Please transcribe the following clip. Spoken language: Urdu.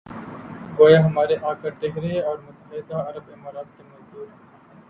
گویا ہمارے آقا ٹھہرے اور متحدہ عرب امارات کے مزدور۔